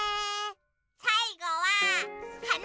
さいごははな！